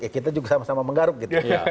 kita juga sama sama menggaruk gitu